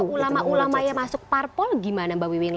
kalau ulama ulamanya masuk parpol gimana mbak wiming